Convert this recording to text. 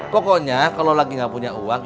pokoknya kalau lagi nggak punya uang